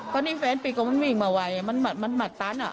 ก็นี่แฟนปีก็มันวิ่งมาไวมันหมัดตัน